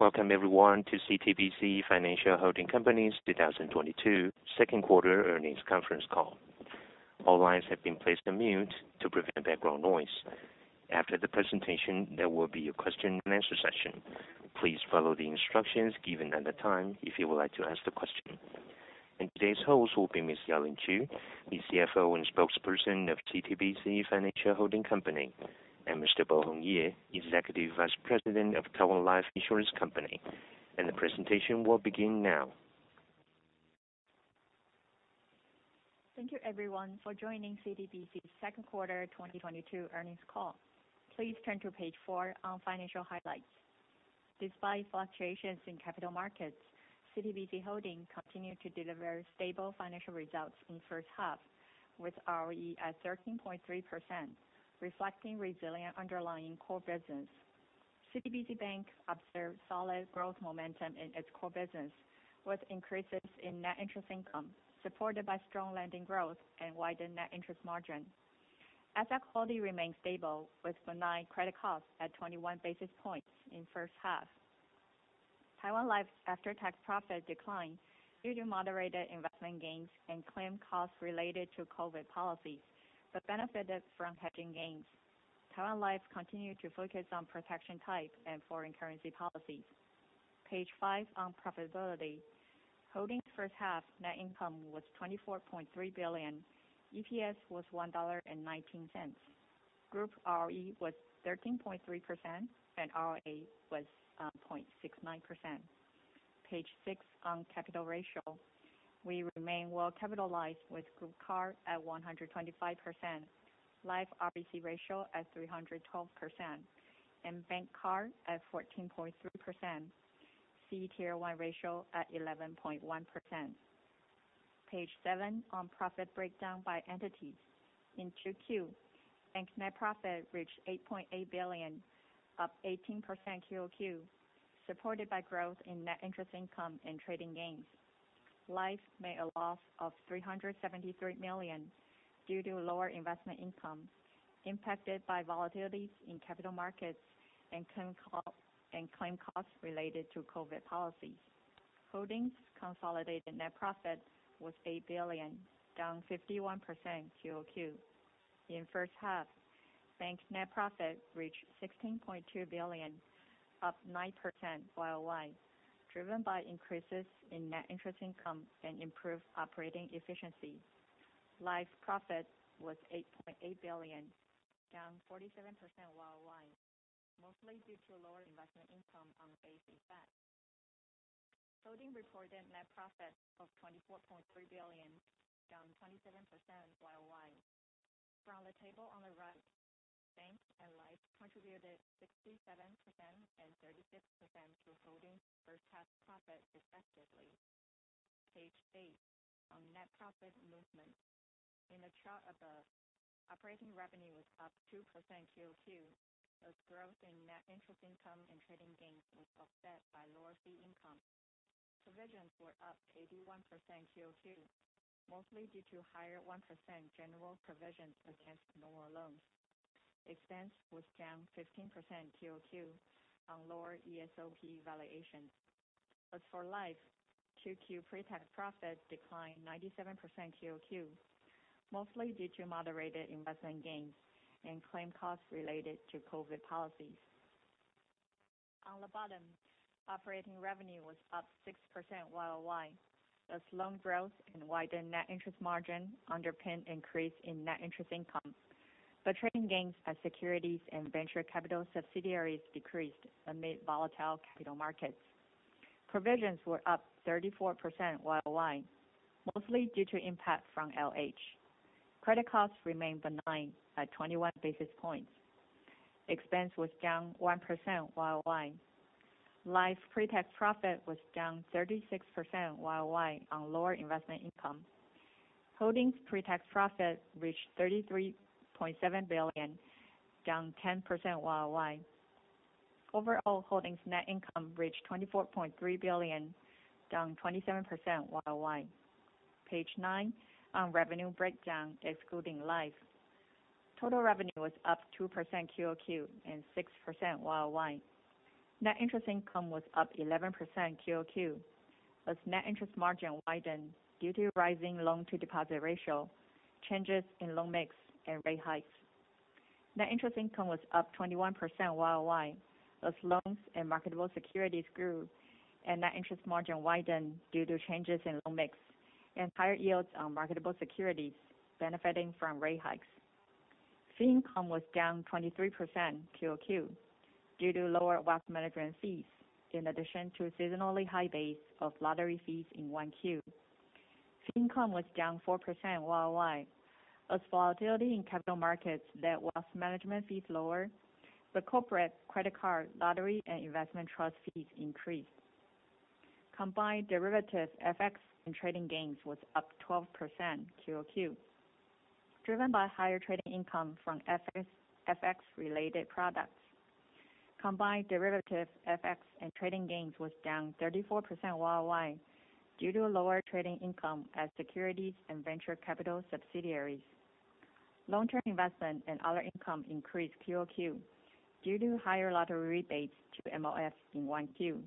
Welcome everyone to CTBC Financial Holding Company's 2022 second quarter earnings conference call. All lines have been placed on mute to prevent background noise. After the presentation, there will be a question and answer session. Please follow the instructions given at the time if you would like to ask the question. Today's hosts will be Ms. Ya-Lin Chu, the CFO and Spokesperson of CTBC Financial Holding Company, and Mr. Bohong Ye, Executive Vice President of Taiwan Life Insurance Company, the presentation will begin now. Thank you everyone for joining CTBC's second quarter 2022 earnings call. Please turn to page four on financial highlights. Despite fluctuations in capital markets, CTBC Holding continued to deliver stable financial results in first half, with ROE at 13.3%, reflecting resilient underlying core business. CTBC Bank observed solid growth momentum in its core business, with increases in net interest income, supported by strong lending growth and widened net interest margin. Asset quality remains stable, with benign credit costs at 21 basis points in the first half. Taiwan Life after-tax profit declined due to moderated investment gains and claim costs related to COVID policies, but benefited from hedging gains. Taiwan Life continued to focus on protection type and foreign currency policies. Page five on profitability. Holding's first half net income was 24.3 billion. EPS was 1.19 dollar. Group ROE was 13.3%, and ROA was 0.69%. Page six on capital ratio. We remain well-capitalized with group CAR at 125%, Life RBC ratio at 312%, and Bank CAR at 14.3%, CET1 ratio at 11.1%. Page seven on profit breakdown by entities. In 2Q, bank net profit reached 8.8 billion, up 18% QOQ, supported by growth in net interest income and trading gains. Life made a loss of 373 million due to lower investment income, impacted by volatilities in capital markets and claim costs related to COVID policies. Holdings' consolidated net profit was 8 billion, down 51% QOQ. In the first half, bank net profit reached 16.2 billion, up 9% YoY, driven by increases in net interest income and improved operating efficiency. Life profit was 8.8 billion, down 47% YoY, mostly due to lower investment income on base effect. Holding reported net profits of 24.3 billion, down 27% YoY. From the table on the right, bank and life contributed 67% and 36% to Holdings' first half profit respectively. Page eight on net profit movement. In the chart above, operating revenue was up 2% QOQ as growth in net interest income and trading gains was offset by lower fee income. Provisions were up 81% QOQ, mostly due to higher 1% general provisions against normal loans. Expense was down 15% QOQ on lower ESOP valuation. As for Life, 2Q pre-tax profit declined 97% QOQ, mostly due to moderated investment gains and claim costs related to COVID policies. On the bottom, operating revenue was up 6% YoY as loan growth and widened net interest margin underpinned increase in net interest income. Trading gains as securities and venture capital subsidiaries decreased amid volatile capital markets. Provisions were up 34% YoY, mostly due to impact from LH. Credit costs remained benign at 21 basis points. Expense was down 1% year-over-year. Life pre-tax profit was down 36% year-over-year on lower investment income. Holdings' pre-tax profit reached 33.7 billion, down 10% year-over-year. Overall, Holdings net income reached 24.3 billion, down 27% year-over-year. Page nine on revenue breakdown excluding Life. Total revenue was up 2% quarter-over-quarter and 6% year-over-year. Net interest income was up 11% quarter-over-quarter as net interest margin widened due to rising loan-to-deposit ratio, changes in loan mix, and rate hikes. Net interest income was up 21% year-over-year as loans and marketable securities grew and net interest margin widened due to changes in loan mix and higher yields on marketable securities benefiting from rate hikes. Fee income was down 23% quarter-over-quarter due to lower wealth management fees in addition to a seasonally high base of lottery fees in 1Q. Fee income was down 4% year-over-year as volatility in capital markets led wealth management fees lower, corporate, credit card, lottery, and investment trust fees increased. Combined derivative, FX, and trading gains was up 12% quarter-over-quarter, driven by higher trading income from FX-related products. Combined derivative, FX, and trading gains was down 34% year-over-year due to lower trading income at securities and venture capital subsidiaries. Long-term investment and other income increased quarter-over-quarter due to higher lottery rebates to MOF in 1Q,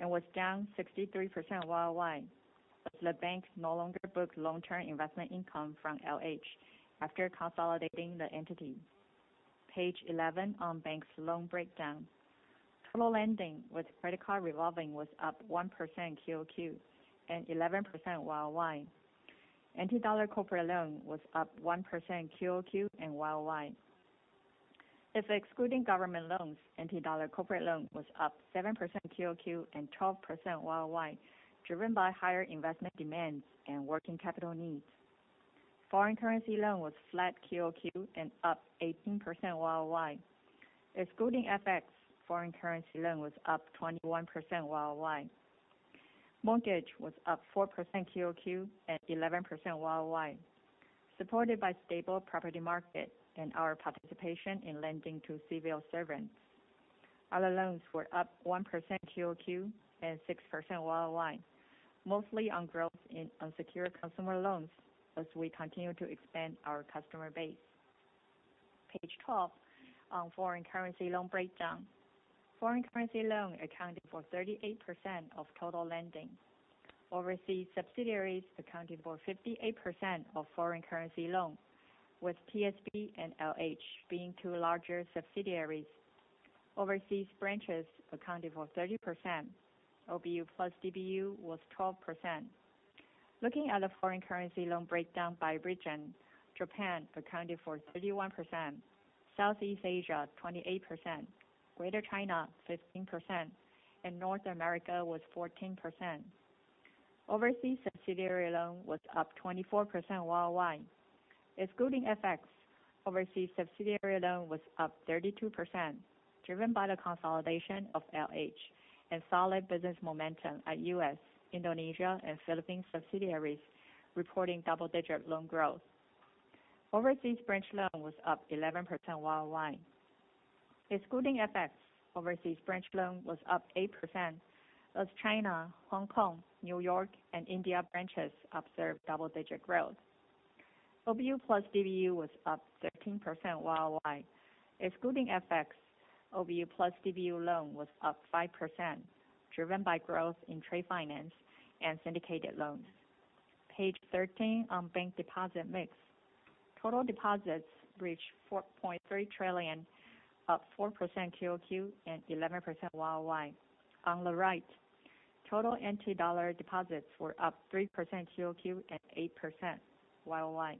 and was down 63% year-over-year as the bank no longer booked long-term investment income from LH after consolidating the entity. Page 11 on Bank's loan breakdown. Total lending with credit card revolving was up 1% quarter-over-quarter and 11% year-over-year. NT dollar corporate loan was up 1% quarter-over-quarter and year-over-year. If excluding government loans, NT dollar corporate loan was up 7% quarter-over-quarter and 12% year-over-year, driven by higher investment demands and working capital needs. Foreign currency loan was flat quarter-over-quarter and up 18% year-over-year. Excluding FX, foreign currency loan was up 21% year-over-year. Mortgage was up 4% quarter-over-quarter and 11% year-over-year, supported by stable property market and our participation in lending to civil servants. Other loans were up 1% quarter-over-quarter and 6% year-over-year, mostly on growth in unsecured consumer loans as we continue to expand our customer base. Page 12 on foreign currency loan breakdown. Foreign currency loan accounted for 38% of total lending. Overseas subsidiaries accounted for 58% of foreign currency loan, with TSB and LH being two larger subsidiaries. Overseas branches accounted for 30%. OBU plus DBU was 12%. Looking at the foreign currency loan breakdown by region, Japan accounted for 31%, Southeast Asia 28%, Greater China 15%, North America was 14%. Overseas subsidiary loan was up 24% year-over-year. Excluding FX, overseas subsidiary loan was up 32%, driven by the consolidation of LH and solid business momentum at U.S., Indonesia, and Philippines subsidiaries, reporting double-digit loan growth. Overseas branch loan was up 11% year-over-year. Excluding FX, overseas branch loan was up 8% as China, Hong Kong, N.Y., and India branches observed double-digit growth. OBU plus DBU was up 13% year-over-year. Excluding FX, OBU plus DBU loan was up 5%, driven by growth in trade finance and syndicated loans. Page 13 on Bank's deposit mix. Total deposits reached 4.3 trillion, up 4% quarter-over-quarter and 11% year-over-year. On the right, total NT dollar deposits were up 3% quarter-over-quarter and 8% year-over-year.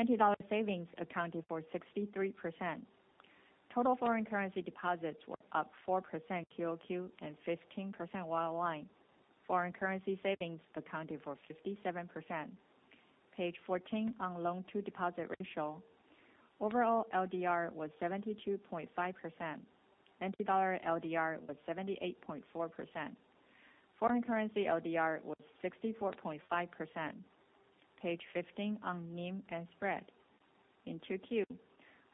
NT dollar savings accounted for 63%. Total foreign currency deposits were up 4% QOQ and 15% YOY. Foreign currency savings accounted for 57%. Page 14 on loan-to-deposit ratio. Overall, LDR was 72.5%. NT dollar LDR was 78.4%. Foreign currency LDR was 64.5%. Page 15 on NIM and spread. In 2Q,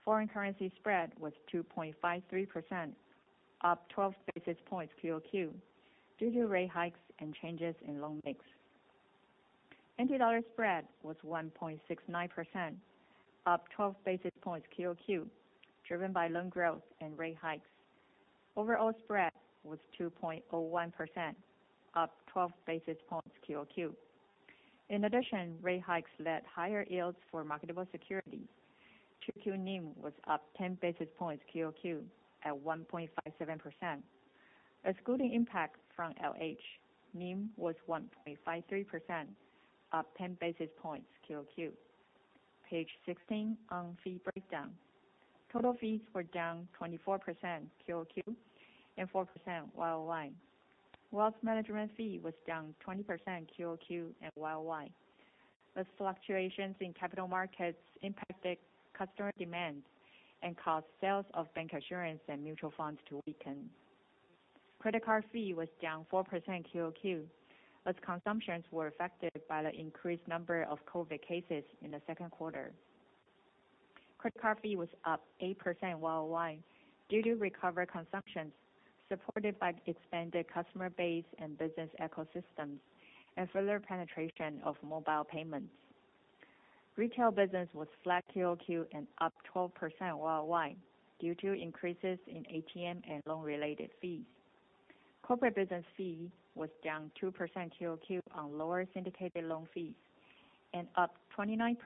foreign currency spread was 2.53%, up 12 basis points QOQ due to rate hikes and changes in loan mix. NT dollar spread was 1.69%, up 12 basis points QOQ, driven by loan growth and rate hikes. Overall spread was 2.01%, up 12 basis points QOQ. In addition, rate hikes led higher yields for marketable security. 2Q NIM was up 10 basis points QOQ at 1.57%. Excluding impact from LH, NIM was 1.53%, up 10 basis points QOQ. Page 16 on fee breakdown. Total fees were down 24% QOQ and 4% YOY. Wealth management fee was down 20% QOQ and YOY. The fluctuations in capital markets impacted customer demand and caused sales of bank insurance and mutual funds to weaken. Credit card fee was down 4% QOQ as consumptions were affected by the increased number of COVID cases in the second quarter. Credit card fee was up 8% YOY due to recovered consumptions supported by expanded customer base and business ecosystems, and further penetration of mobile payments. Retail business was flat QOQ and up 12% YOY due to increases in ATM and loan-related fees. Corporate business fee was down 2% QOQ on lower syndicated loan fees and up 29%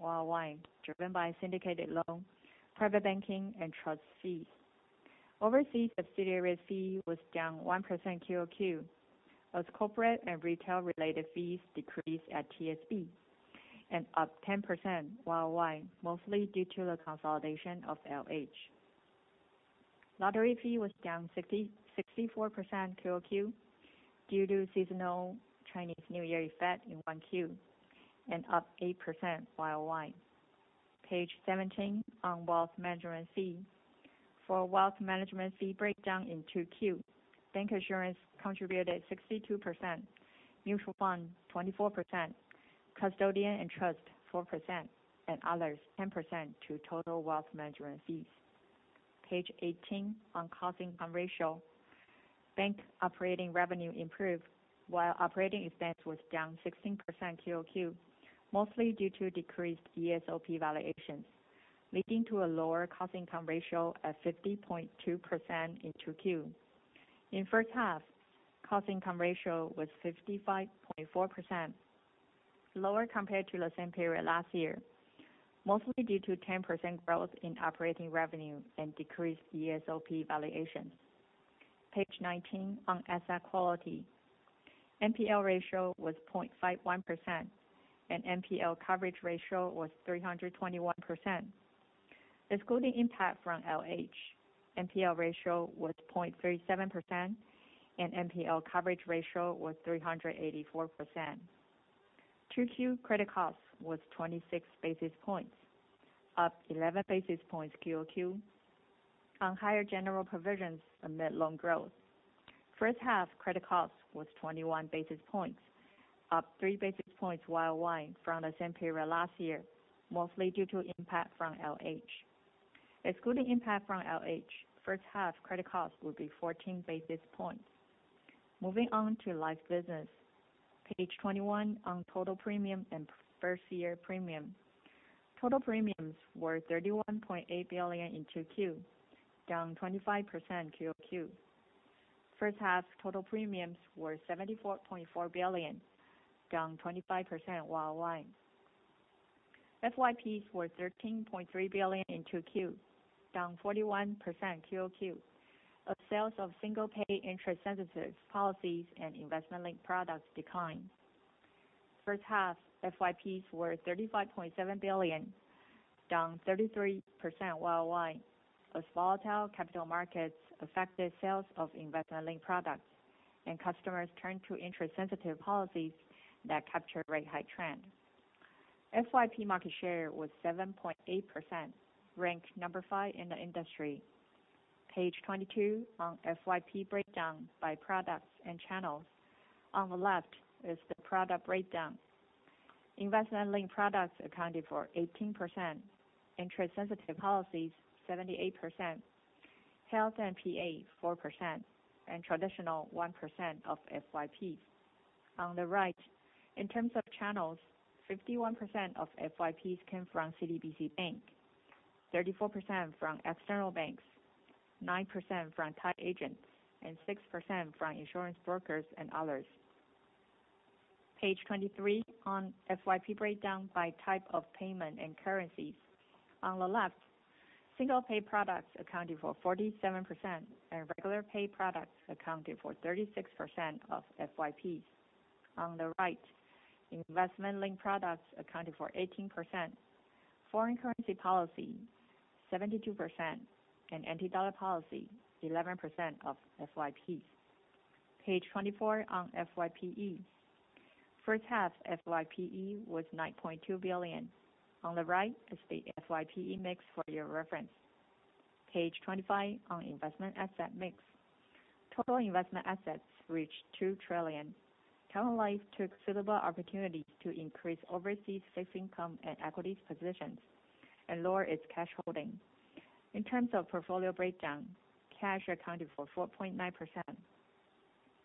YOY, driven by syndicated loan, private banking, and trust fees. Overseas subsidiary fee was down 1% QOQ as corporate and retail-related fees decreased at TSB and up 10% YOY, mostly due to the consolidation of LH. Lottery fee was down 64% QOQ due to seasonal Chinese New Year effect in 1Q and up 8% YOY. Page 17 on wealth management fee. For wealth management fee breakdown in 2Q, bank assurance contributed 62%, mutual fund 24%, custodian and trust 4%, and others 10% to total wealth management fees. Page 18 on cost-income ratio. Bank operating revenue improved while operating expense was down 16% QOQ, mostly due to decreased ESOP valuations, leading to a lower cost-income ratio at 50.2% in 2Q. In the first half, cost-income ratio was 55.4%, lower compared to the same period last year, mostly due to 10% growth in operating revenue and decreased ESOP valuations. Page 19 on asset quality. NPL ratio was 0.51%, and NPL coverage ratio was 321%. Excluding the impact from LH, NPL ratio was 0.37%, and NPL coverage ratio was 384%. Q2 credit cost was 26 basis points, up 11 basis points QOQ on higher general provisions amid loan growth. First-half credit cost was 21 basis points, up three basis points YOY from the same period last year, mostly due to impact from LH. Excluding impact from LH, first-half credit cost would be 14 basis points. Moving on to life business. Page 21 on total premium and first-year premium. Total premiums were 31.8 billion in Q2, down 25% QOQ. First-half total premiums were 74.4 billion, down 25% YOY. FYPs were 13.3 billion in Q2, down 41% QOQ as sales of single-pay interest-sensitive policies and investment-linked products declined. First half FYPs were 35.7 billion, down 33% YOY as volatile capital markets affected sales of investment-linked products and customers turned to interest-sensitive policies that capture rate-high trend. FYP market share was 7.8%, ranked number 5 in the industry. Page 22 on FYP breakdown by products and channels. On the left is the product breakdown. Investment-linked products accounted for 18%, interest-sensitive policies 78%, health and PA 4%, and traditional 1% of FYPs. On the right, in terms of channels, 51% of FYPs came from CTBC Bank, 34% from external banks, 9% from tied agents, and 6% from insurance brokers and others. Page 23 on FYP breakdown by type of payment and currencies. On the left, single-pay products accounted for 47%, and regular pay products accounted for 36% of FYPs. On the right, investment-linked products accounted for 18%, foreign currency policy 72%, and NT dollar policy 11% of FYPs. Page 24 on FYPE. First half FYPE was NTD 9.2 billion. On the right is the FYPE mix for your reference. Page 25 on investment asset mix. Total investment assets reached NTD 2 trillion. Taiwan Life took suitable opportunities to increase overseas fixed income and equities positions and lower its cash holdings. In terms of portfolio breakdown, cash accounted for 4.9%,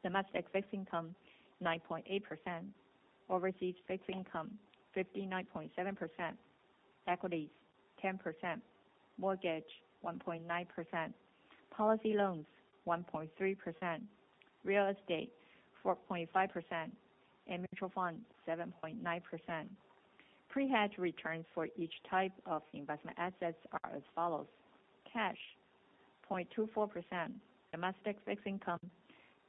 domestic fixed income 9.8%, overseas fixed income 59.7%, equities 10%, mortgage 1.9%, policy loans 1.3%, real estate 4.5%, and mutual funds 7.9%. Pre-hedge returns for each type of investment assets are as follows: cash 0.24%, domestic fixed income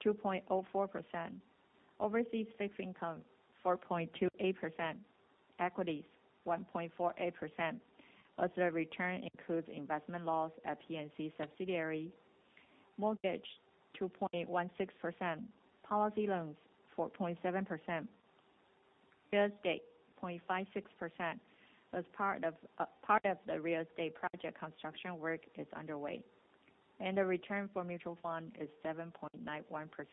2.04%, overseas fixed income 4.28%, equities 1.48%, as the return includes investment loss at P&C subsidiary, mortgage 2.16%, policy loans 4.7%, real estate 0.56%, as part of the real estate project construction work is underway, and the return for mutual fund is 7.91%.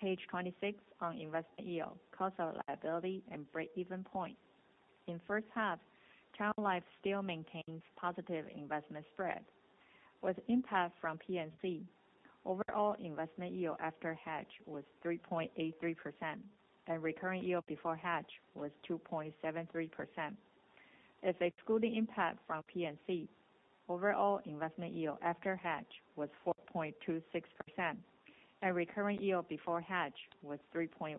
Page 26 on investment yield, cost of liability, and break-even point. In the first half, Taiwan Life still maintains positive investment spread. With impact from P&C, overall investment yield after hedge was 3.83%, and recurring yield before hedge was 2.73%. Excluding impact from P&C, overall investment yield after hedge was 4.26%, and recurring yield before hedge was 3.17%.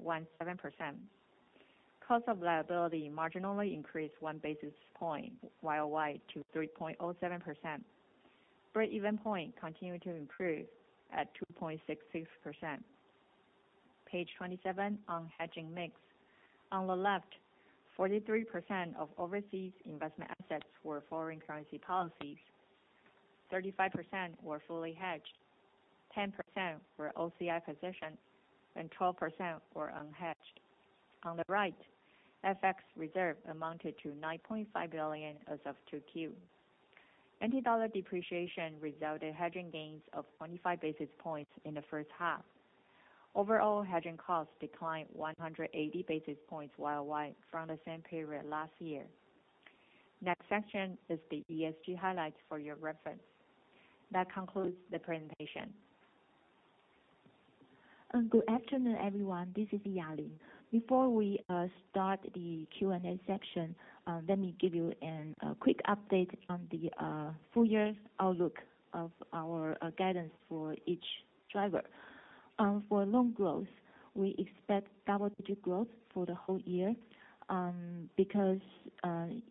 Cost of liability marginally increased one basis point YOY to 3.07%. Break-even point continued to improve at 2.66%. Page 27 on hedging mix. On the left, 43% of overseas investment assets were foreign currency policies, 35% were fully hedged, 10% were OCI position, and 12% were unhedged. On the right, FX reserve amounted to NTD 9.5 billion as of 2Q. NT dollar depreciation resulted in hedging gains of 25 basis points in the first half. Overall hedging costs declined 180 basis points year-over-year from the same period last year. Next section is the ESG highlights for your reference. That concludes the presentation. Good afternoon, everyone. This is Yali. Before we start the Q&A section, let me give you a quick update on the full year's outlook of our guidance for each driver. For loan growth, we expect double-digit growth for the whole year, because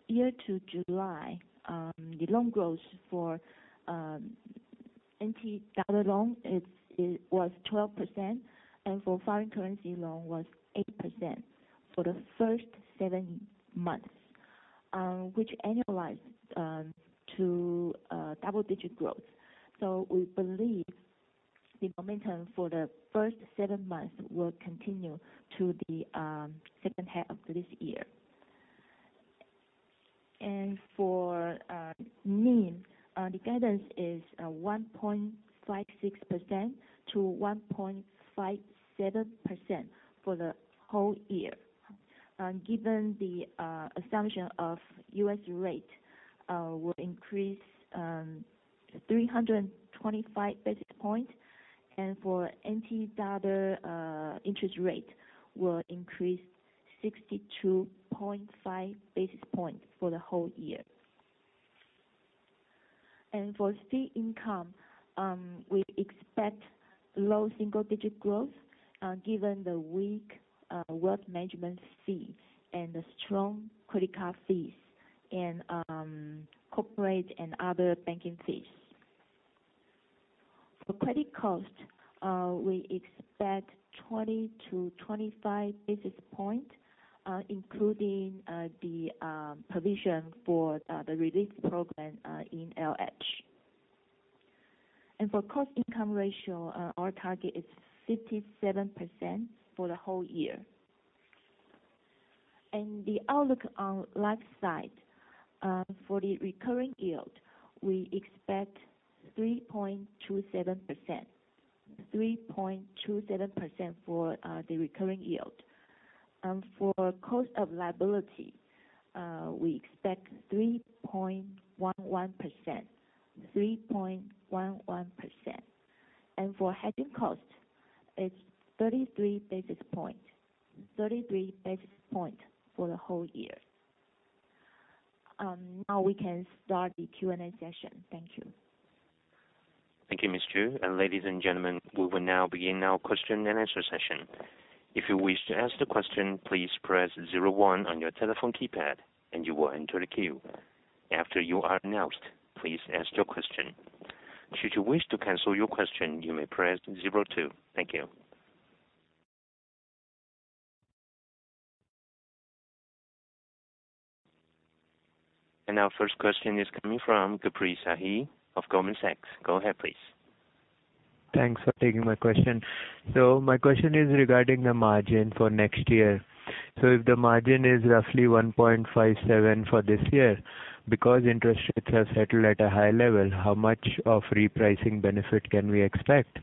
year to July, the loan growth for NT dollar loan was 12%, and for foreign currency loan was 8% for the first seven months, which annualized to double-digit growth. We believe the momentum for the first seven months will continue to the second half of this year. For NIM, the guidance is 1.56%-1.57% for the whole year, given the assumption of U.S. rate will increase 325 basis points, NT dollar interest rate will increase 62.5 basis points for the whole year. For fee income, we expect low single-digit growth, given the weak wealth management fees and the strong credit card fees and corporate and other banking fees. For credit cost, we expect 20-25 basis points, including the provision for the relief program in LH. For cost-income ratio, our target is 57% for the whole year. The outlook on life side, for the recurring yield, we expect 3.27% for the recurring yield. For cost of liability, we expect 3.11%. For hedging cost, it's 33 basis points for the whole year. We can start the Q&A session. Thank you. Thank you, Ms. Chu. Ladies and gentlemen, we will now begin our question and answer session. If you wish to ask the question, please press zero one on your telephone keypad and you will enter the queue. After you are announced, please ask your question. Should you wish to cancel your question, you may press zero two. Thank you. Our first question is coming from Gurpreet Sahi of Goldman Sachs. Go ahead, please. Thanks for taking my question. My question is regarding the margin for next year. If the margin is roughly 1.57% for this year, because interest rates have settled at a high level, how much of repricing benefit can we expect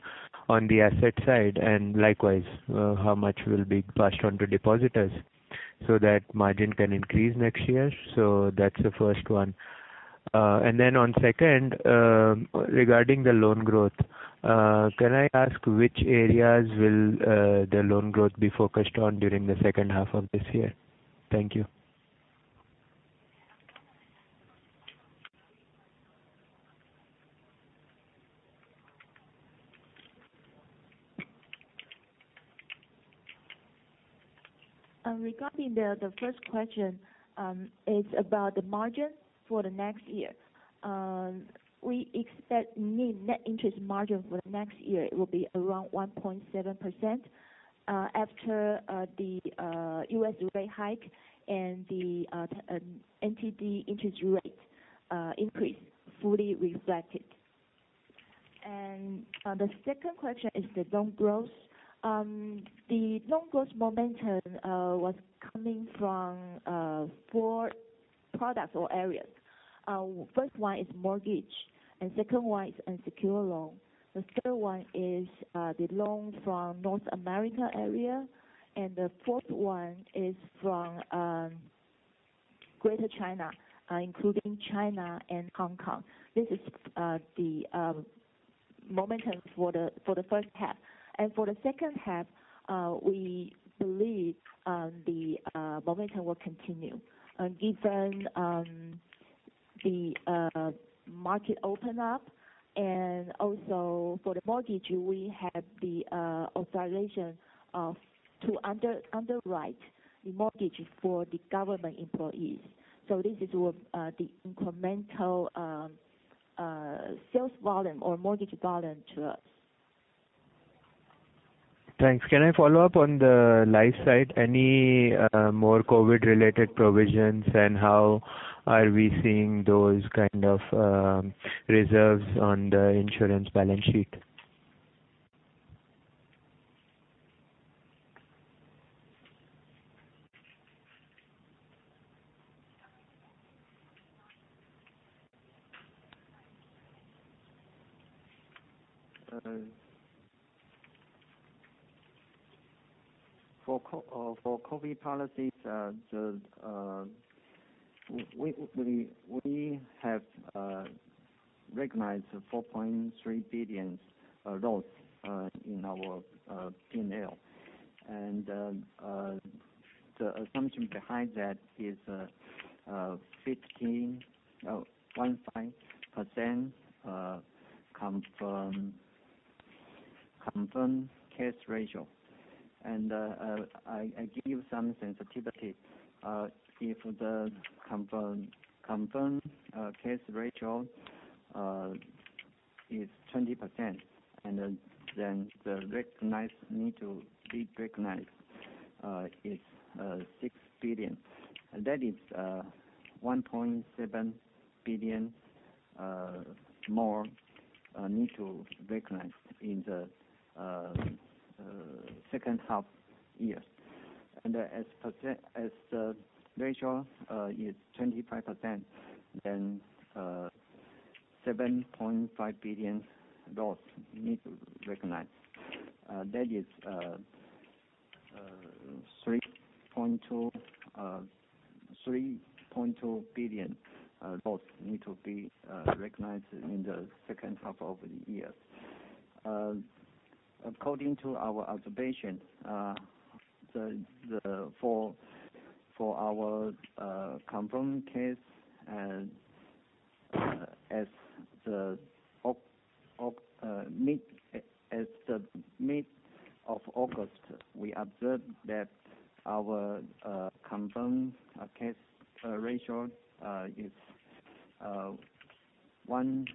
on the asset side? Likewise, how much will be passed on to depositors so that margin can increase next year? That's the first one. On second, regarding the loan growth, can I ask which areas will the loan growth be focused on during the second half of this year? Thank you. Regarding the first question, it's about the margin for the next year. We expect NIM, net interest margin, for the next year it will be around 1.7% after the U.S. rate hike and the NTD interest rate increase fully reflected. The second question is the loan growth. The loan growth momentum was coming from four products or areas. First one is mortgage, second one is unsecured loan. Third one is the loan from North America area, fourth one is from Greater China, including China and Hong Kong. This is the momentum for the first half. For the second half, we believe the momentum will continue, given the market open up, and also for the mortgage, we have the authorization to underwrite the mortgage for the government employees. This is the incremental sales volume or mortgage volume to us. Thanks. Can I follow up on the COVID-related provisions, and how are we seeing those kind of reserves on the insurance balance sheet? For COVID policies, we have recognized a 4.3 billion dollars loss in our P&L. The assumption behind that is a 0.5% confirmed case ratio. I give you some sensitivity. If the confirmed case ratio is 20%, the need to be recognized is 6 billion. That is 1.7 billion more need to recognize in the second half year. As the ratio is 25%, 7.5 billion dollars loss need to recognize. That is TWD 3.2 billion loss need to be recognized in the second half of the year. According to our observation for our confirmed case as the mid of August, we observed that our confirmed case ratio is 1.5%.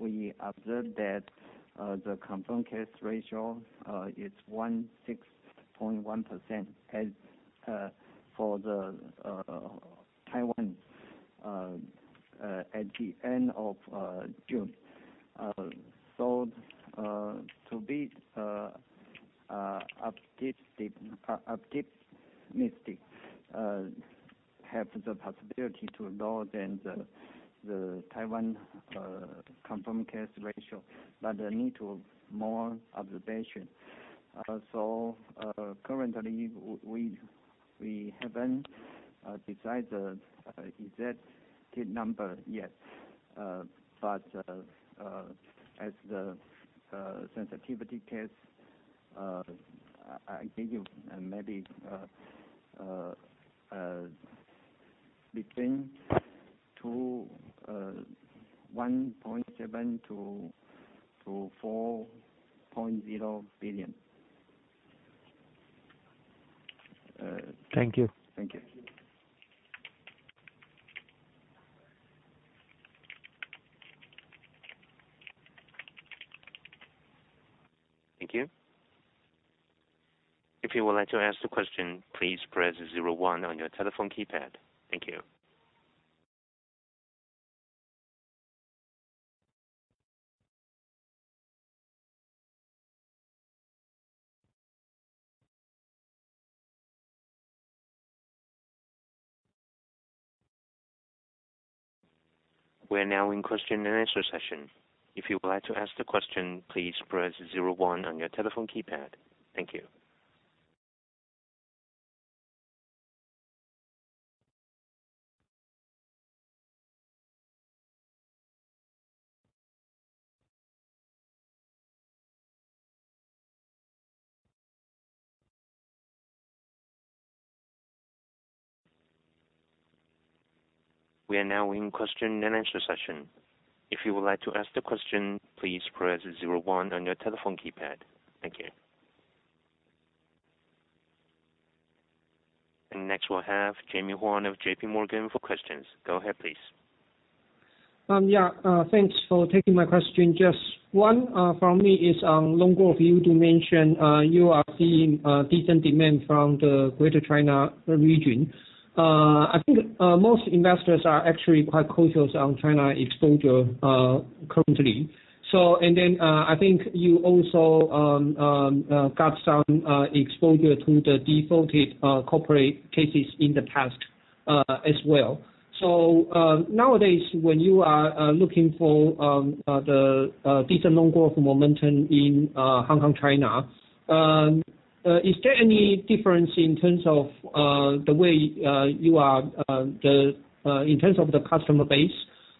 We observed that the confirmed case ratio is 16.1% as for the Taiwan at the end of June. To be optimistic, we have the possibility to lower than the Taiwan confirmed case ratio. Need more observation. Currently, we haven't decided the exact hit number yet. As the sensitivity test, I give you maybe between TWD 1.7 billion-TWD 4.0 billion. Thank you. Thank you. Thank you. If you would like to ask the question, please press zero one on your telephone keypad. Thank you. We are now in question and answer session. If you would like to ask the question, please press zero one on your telephone keypad. Thank you. We are now in question and answer session. If you would like to ask the question, please press zero one on your telephone keypad. Thank you. Next we'll have Jamie Juan of JP Morgan for questions. Go ahead, please. Thanks for taking my question. Just one from me is on loan growth. You did mention you are seeing decent demand from the Greater China region. I think most investors are actually quite cautious on China exposure currently. I think you also got some exposure to the defaulted corporate cases in the past as well. Nowadays, when you are looking for the decent loan growth momentum in Hong Kong, China, is there any difference in terms of the customer base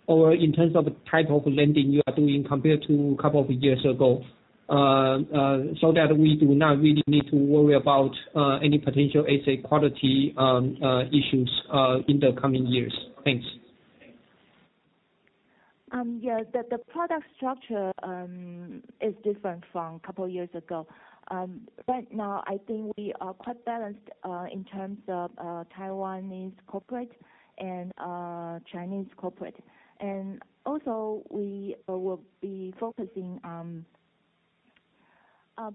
or in terms of type of lending you are doing compared to a couple of years ago? That we do not really need to worry about any potential asset quality issues in the coming years. Thanks. The product structure is different from a couple of years ago. Right now, I think we are quite balanced in terms of Taiwanese corporate and Chinese corporate. We will be focusing.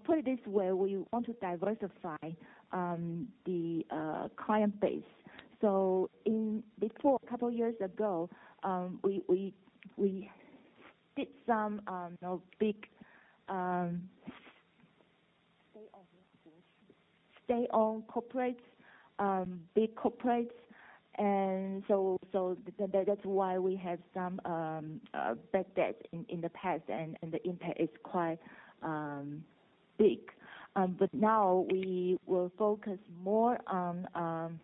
Put it this way, we want to diversify the client base. Before, a couple of years ago, we did some big state-owned corporates, big corporates, that's why we have some bad debt in the past, and the impact is quite big. We will focus more on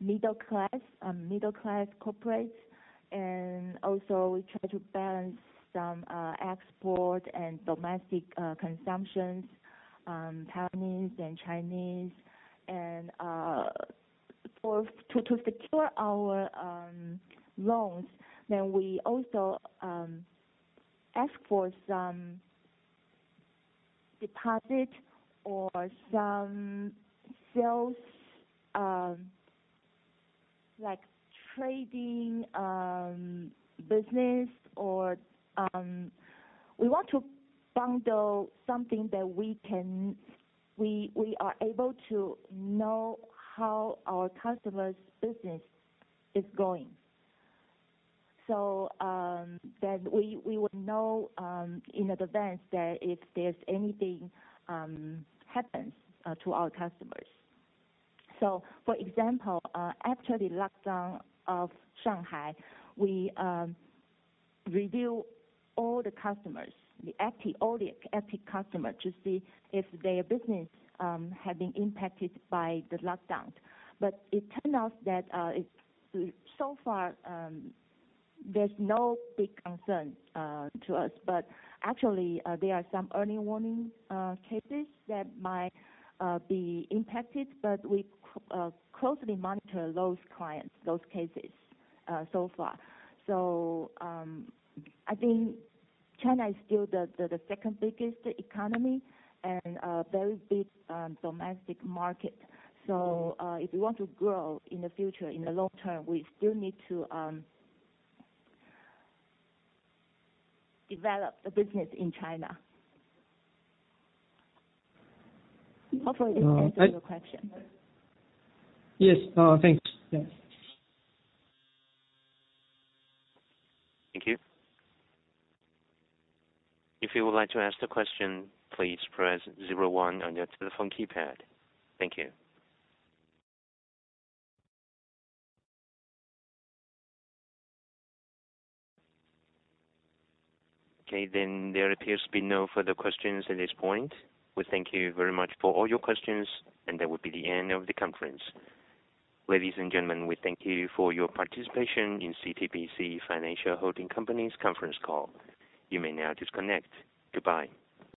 middle-class corporates, and also we try to balance some export and domestic consumptions, Taiwanese and Chinese. To secure our loans, then we also ask for some deposit or some sales, like trading business. We want to bundle something that we are able to know how our customer's business is going, that we would know in advance that if there's anything happens to our customers. For example, after the lockdown of Shanghai, we review all the customers, all the SME customer to see if their business had been impacted by the lockdowns. It turned out that so far, there's no big concern to us. Actually, there are some early warning cases that might be impacted, but we closely monitor those clients, those cases, so far. I think China is still the second biggest economy and a very big domestic market. If we want to grow in the future, in the long term, we still need to develop the business in China. Hopefully this answers your question. Yes. Thanks. Yeah. Thank you. If you would like to ask the question, please press zero one on your telephone keypad. Thank you. There appears to be no further questions at this point. We thank you very much for all your questions and that will be the end of the conference. Ladies and gentlemen, we thank you for your participation in CTBC Financial Holding Company's conference call. You may now disconnect. Goodbye.